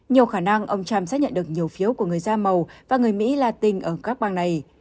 nhiều khả năng ông trump sẽ nhận được nhiều phiếu của người da màu và người mỹ latin ở các bang này